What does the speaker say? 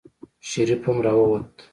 شريف هم راووت.